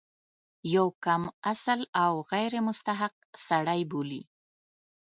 یو کم اصل او غیر مستحق سړی بولي.